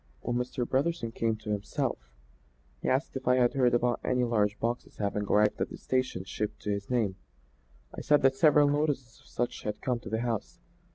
"When Mr. Brotherson came to himself he asked if I had heard about any large boxes having arrived at the station shipped to his name. I said that several notices of such had come to the house.